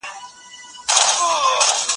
درد لا هم په رګونو کې پټ پټ نڅا کوله.